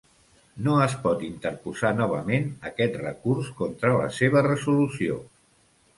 No es pot interposar novament aquest recurs contra la seva resolució.